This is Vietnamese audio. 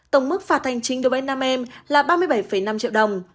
tổng mức phạt hành chính đối với nam em là ba mươi bảy năm triệu đồng